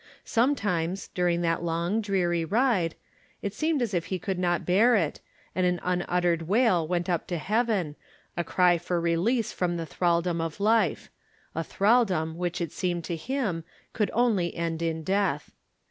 Sometimes, during that long, dreary ride, it seemed as if he could not bear it, and an unuttered wail went up to heaven, a cry for re lease from the thraldrom of life — a thraldrom which it seemed to him could only end in death.